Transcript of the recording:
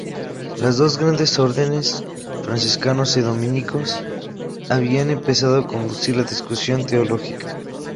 Las dos grandes órdenes, franciscanos y dominicos, habían empezado a conducir la discusión teológica.